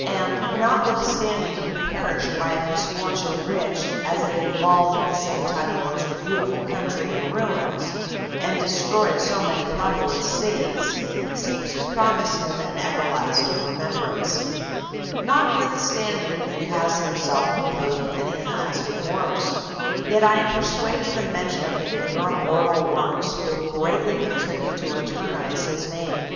And, notwithstanding he perished by a misfortune which, as it involved at the same time a most beautiful country in ruins, and destroyed so many populous cities, seems to promise him an everlasting remembrance; notwithstanding he has himself composed many and lasting works; yet I am persuaded the mention of him in your immortal works will greatly contribute to eternize his name.